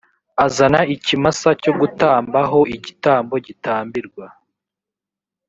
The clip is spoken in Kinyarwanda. azana ikimasa cyo gutamba ho igitambo gitambirwa